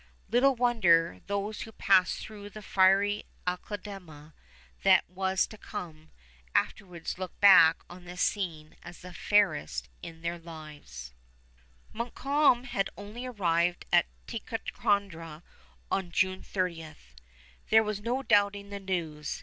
Little wonder those who passed through the fiery Aceldama that was to come, afterwards looked back on this scene as the fairest in their lives. [Illustration: AMHERST] Montcalm had only arrived at Ticonderoga on June 30th. There was no doubting the news.